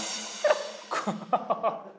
ハハハ。